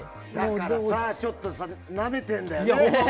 ちょっとなめてるんだよね